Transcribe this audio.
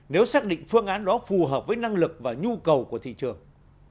nếu xác định phương án đó phù hợp với năng lực và nhu cầu của thị trường